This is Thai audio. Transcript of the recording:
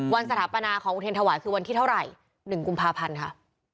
สถาปนาของอุเทรนถวายคือวันที่เท่าไหร่๑กุมภาพันธ์ค่ะ